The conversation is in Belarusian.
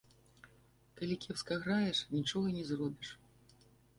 Калі кепска граеш, нічога не зробіш.